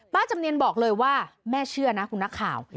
จำเนียนบอกเลยว่าแม่เชื่อนะคุณนักข่าว